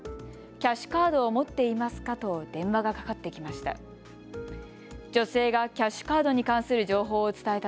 キャッシュカードを持っていますかと電話がかかってきました。